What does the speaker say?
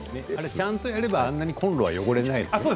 ちゃんとやればあんなにコンロは汚れないですよね。